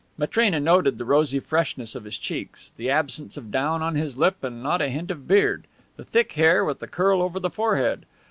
Matrena noted the rosy freshness of his cheeks, the absence of down on his lip and not a hint of beard, the thick hair, with the curl over the forehead.